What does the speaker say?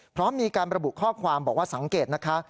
พร้อมมีการระบุข้อความบอกว่าสังเกตนะคะ